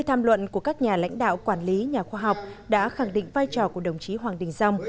bốn mươi tham luận của các nhà lãnh đạo quản lý nhà khoa học đã khẳng định vai trò của đồng chí hoàng đình dông